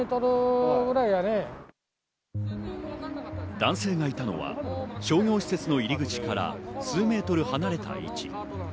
男性がいたのは商業施設の入り口から数ｍ離れた位置。